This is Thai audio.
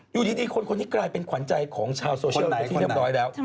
อยู่ดีคนคนนี้กลายเป็นขวัญใจของชาวโซเชียลไปที่เรียบร้อยแล้ว